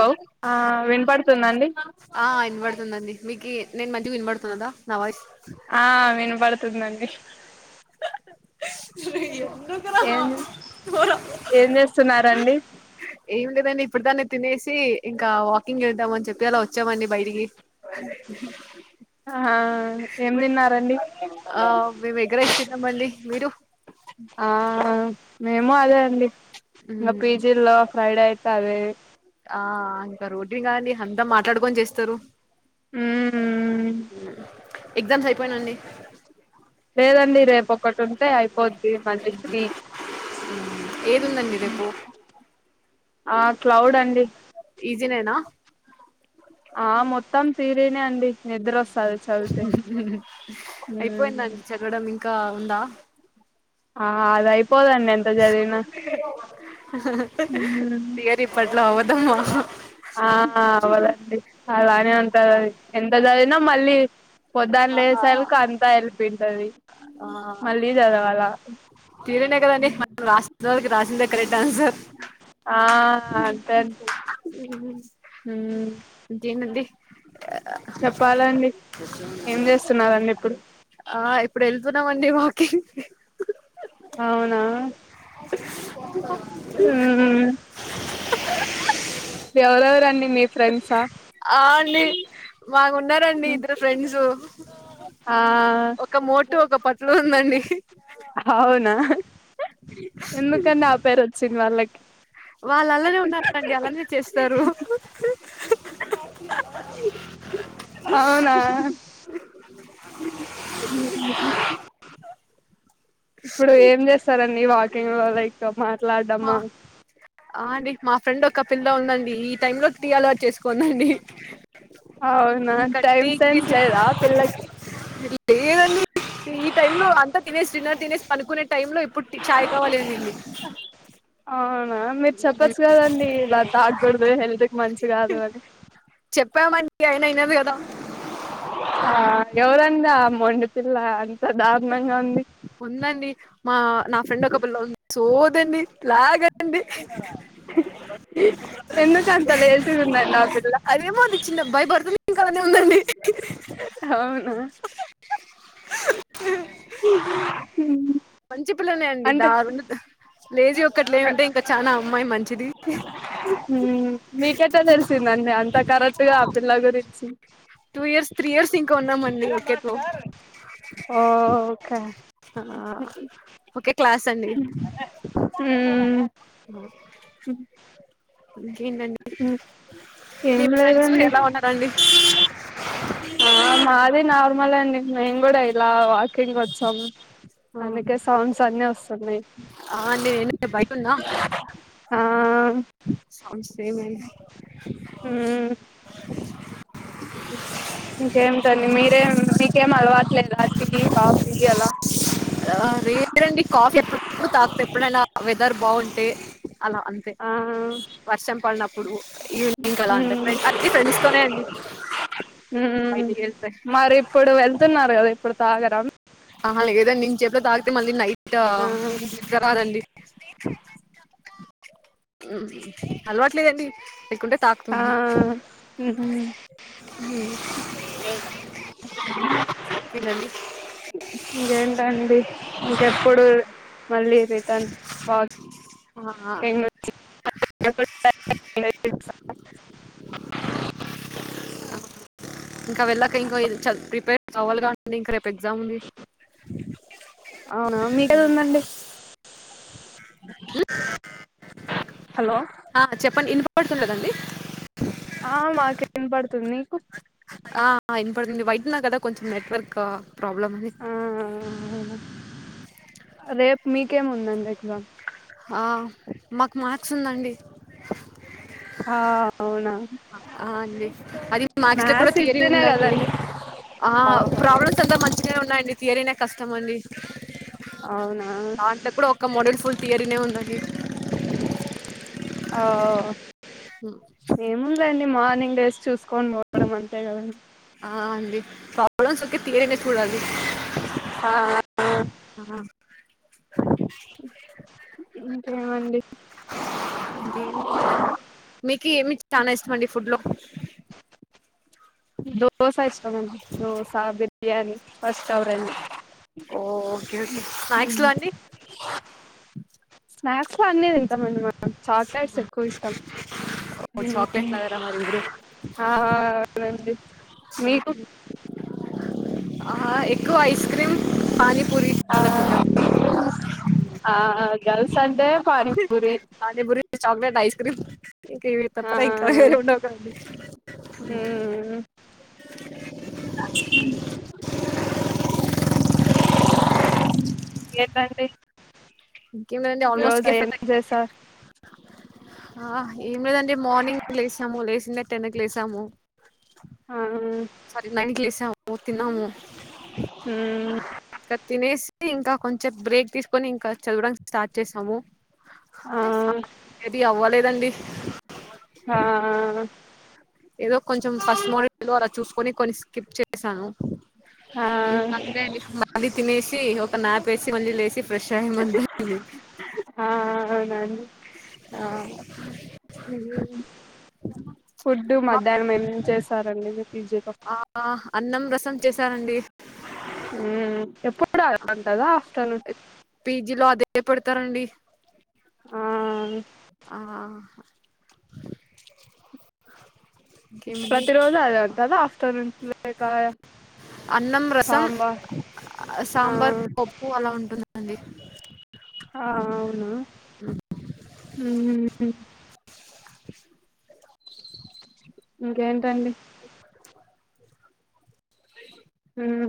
Hello ఆ హ్ hi అండి వినపడుతుందండి ఆ ఇనపడుతుందండి మీకి నేను మధ్య వినబడుతున్నదా నా వాయిస్ ఆ వినబడుతోదండి ఏం ఏం చేస్తున్నారండి ఏం లేదండి ఇప్పుడు దాన్ని తినేసి ఇంకా వాకింగ్ ఎల్ల్దం అని చెప్పి అలా వచ్ చ్చాం అండి బయటికి ఇంకేం మీ- తిన్నారండి ఆ మేము ఎగ్ రైస్ తిన్నామండి మీరు ఆ మేం మాదే అండి ఇగ మ్మ్. పీజిల్లో ఫ్రైడే అయి సరే ఆ ఇంకా రోడ్నిగానీ అంతా మాట్లాడుకొని చేస్తారు ఉమ్ ఎగ్జామ్స్ అయిపోయినండి టుంటే అయిపోద్ ఏదుండండి రేపు ఆ క్లౌడ్ అండి ఈజినేనా ఆ మొత్తం థీరీనే అండి నిద్ర వస్తది చదివితే ఉమ్ అయిపోయిదాండి చదువడం ఇన్ కా ఉందా ఆ అదయిపోదండి ఎంత చది ఉమ్ తియరి పడ్లా వ ఆ అవదండి అ అంత ఎంత చదివిన మళ్ళీ పొద్దున ఆ లేసార్కి అంతా ఎల్లి పోయింటాది మళ్ళీ చదవాలా [unintelligible] అండి మన రాష్ట రాసింద ఒకరూ డాన్సర్ ఆ హ్మ్మ్ [unintelligible] అండి చెప్పాలాండి ఏం చేస్తున్నరండి ఇప్పుడు ఆ ఇప్పుడు వెళ్తున్నామండి వాకింగ్ అవునా ఎవరెవరండి మీ ఫ్రెండ్సా ఆ అండి మాకు ఉన్నారండి ఇద్దరు ఫ్రెండ్స్ ఆ ఒక మోటు ఒక పట్లు ఉందండి అవునా వాళ్ళకి వాళ్ళ అలానే ఉన్నారుండి అలానే చేస్తారు అవునా [unintelligible] ఇప్పుడు ఏం చేస్తారండి వాకింగ్ లో లైక్ మా ఆ అండి మా ఫ్రెండ్ ఒక పిల్ల ఉందండి ఈ టైం లో టీ అల వచ్చేసుకోందండి అవునా ఇంకా టైమ్ టీ సెన్స్ లేదా పిల్లకి [unintelligible] లేదు అండి ఈ టైమ్ లో అంత డిన్నర్ తినేసి తినేసి పనుకు టైమ్ లో ఇప్పుడు చాయ కావాలి అనింది ఆ మీరు చెప్పచ్చు కదండి ఇ తాగకూడదు హెల్త్ కి మంచి కాదు అని. చెప్పామండి అయినా అయినది కదా ఎవరన్న మో [unintelligible] ఇంత దారుణంగా ఉంది. ఉందండి మా నా ఫ్రెండ్ ఒక ప సోదండి. లాగండి. [inaudible] ఎందుకు అంత లేజీ గ ఉందప్ అదేమోచిన్న భయపడుతుంది ఇంక అలానే ఉందండి. ఉ హు అంటే లేజి ఒక్ ఉమ్ మీకెట్టా తెల్సిందండి. అంతా కరెక్ట్గా ఆ పిల్ల గురించి టూ ఇయర్స్ త్రీ ఇయర్స్ ఇంకా ఉన్నాం అండి కేతో ఓకే క్లాస్ సండే హ [inaudible] హ్ మ్ ఏం మీ ఫ్రెండ్స్ లేదండి ఎలా ఉన్నారండి ఆ మాది నార్మలే అండి మేం కూడా ఇలా వాకింగ్ వచ్చాం అందుకే సాంగ్స్ అన్ని వస్తున్నాయ్ ఆ అండి నేను బయటున్నా ఆ ఏమైంది ఇంకేంటండి మీరేం మీకేం అలవాట్లేదా టీ కాఫీ అలా లేేరండి కాఫీ అప్పుడప్పుడు తాగుతా ఎప్పుడైనా వెదర్ బాగుంటే [inaudible] అలా అంతే వర్షం పడిన ఇప్పుడు ఉమ్ అండి ఉమ్ బయటికి వెళ్తే మరి ఇప్పుడు వెళ్తున్నారు కదా ఇప్పుడు తాగర అహ లేదండి ఇం సేపులో తాగితే మళ్ళీ నైట్ తో ఆ నిద్ర రాదండి అలవాట్లేదండి లేకుంటే ఆ తాకుతుంది ఉహు ఏంటండి ఇంగెంటండి ఇంకెప్పుడు మళ్ళీ రిటన్ ఆహా, [unintelligible] ఇంకా వెళ్ళక ఇంకా ప్రిపేర్ అవాలిగా ఉండి ఇంకా రేపు ఎగ్జామ్ ఉంది అవునా మీకేదో ఉందండి హలో వినపడుటలేదాండి ఆ మాకు ఇనపడుతుంది మీకు ఆ వినపడుతుంది బయటున్న కదా కొంచెం నెట్వర్కా ప్రాబ్లమ్ ఉంది ఆ అవునా రేపు మీకేమి ఉందండి ఎగ్జామ్ ఆ మాకు మ్యాథ్స్ ఉందండి ఆ అవునా ఆ అండి అది మ్యాథ్స్ లో కూడా థియరీ ఈజీనే ఉందండి కదండి ఆ ఓహో ప్రాబ్లమ్స్ అంతా మంచిగానే ఉన్నాయండి ఏరైనా కష్ టమండి అవునా దాంట్లో కూడా ఒక్క మోడుల్ ఫుల్ థియరీనే ఉందండి. ఆ ఉమ్, ఏముందండి. మార్నింగ్ డేస్ చూసుకొని పోవడం అంతే కదండి. ఆ అండి ఫార్ములాస్ ఒకే థీయరినే పుడది ఆ ఇంకేమండి ఇంకేం లేదండి మీకు ఏమి చానా ఇష్టం అండి ఫుడ్ లో దోస ఇష్ టం దోసా బిర్యానీ ఫస్ట్ అవర్ంది నువ్వే చెప్పాలి కే ఓకే స్నాక్స్లో అండి స్నాక్స్ లో అన్నీ తింటానన్ను మాట చాక్లెట్స్ ఎక్కువ ఇష్టం ఓ చాక్లెట్ ఉమ్మ్ లాగారా మరి మీరు ఆ అవునండి. మీకు ఆహ ఎక్కువ ఐస్ క్రీమ్ పానీపూరి ఆ అలా తింటామండి ఆ గల్స్ అంటే pani puri chocolate ice cream ఇంక ఏవేవి ఆ వతనాయ్ ఇంకా వేరేవి ఉండవు గా మ్మ్ ఏంటండి ఇంకేం లేదండి ఆల్మోస్ట్ ఈరోజు కెఫే ఏం చేశారు ఆ ఏం లేదండి మార్నింగ్ లేసాము లేచిందే టెన్ కి లేసాము ఆ సారీ నైన్ కి లేసి హూ ఇక తినేసి ఇంకా కొంచెం బ్రేక్ తీసుకొని ఇంకా చదవడానికి స్టార్ట్ చేసాము ఆ ఏది అవ్వలేదండి ఆ ఏదో కొంచెం ఫస్ట్ మోడల్ ద్వారా చూసుకొని కొన్ని స్కిప్ చేశాను ఆ సండే అండి మళ్లీ తినేసి ఓ నా పేసిసి ఆ అవునండి ఆ, ఈరోజు మా మధ్యాహ్నం ఎ చేసారండి మీ పీజీలో ఆ అన్నం రస రసం చేశారండి ఊ ఎప్పు పీజిలో అదే పెడతారండి ఇ ఆ ఆహ ఇంకేముంది ప్రతి రోజు అదే ఉంటద ఆఫ్టర్నూన్ లేక అన్నం రసం సాంబార్ ఆ అదే ఆ అవునా ఊ ఉ ఇంకేంటండి అ ఉ